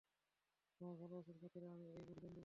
তোমার ভালবাসার খাতিরে, আমি এই বলিদান দেব।